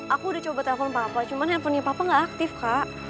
aku udah coba telepon papa cuman handphonenya papa gak aktif kak